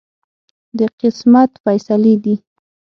د قسمت فیصلې دي.